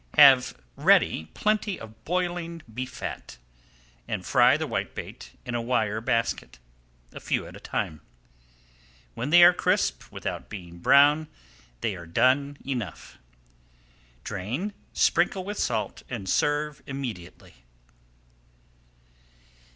Have ready plenty of boiling beef fat, and fry the whitebait in a wire basket, a few at a time. When they are crisp without being brown they are done enough. Drain, sprinkle [Page 440] with salt, and serve immediately.